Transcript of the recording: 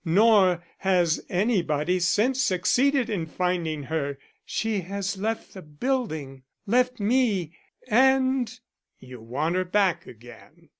Nor has anybody since succeeded in finding her. She has left the building left me, and " "You want her back again?"